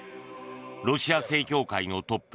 ロシア正教会のトップ